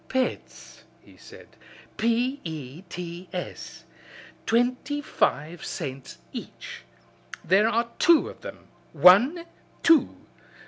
"Pets," he said "P e t s! Twenty five cents each. There are two of them. One! Two!